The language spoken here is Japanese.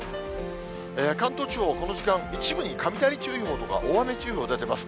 関東地方、この時間、一部に雷注意報とか、大雨注意報出ています。